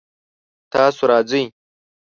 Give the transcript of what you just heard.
تاسو راځئ؟